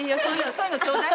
そういうのちょうだい。